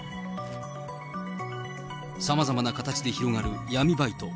さまざまな形で広がる闇バイト。